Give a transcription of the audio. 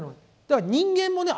だから人間もね